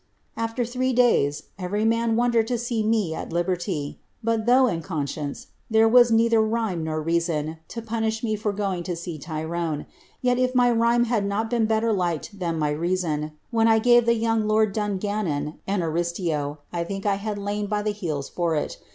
* After three days, every man wondered \o see me at liberty ; but though, in conscience, there was neither rhyme lor reason to punish me for going to see Tyrone, yet if my rhyme had lot been better liked than my reason, when J gave the young lord Dun {annon an Ariosto, I think I had lain by the heels for it.